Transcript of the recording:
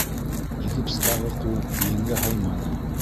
Гипстағы ҡул еңгә һыйманы.